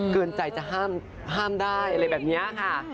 เกินใจจะห้ามได้อะไรแบบนี้ค่ะ